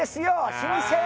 老舗。